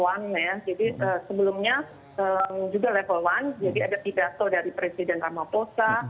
jadi sebelumnya juga level one jadi ada pidato dari presiden ramaphosa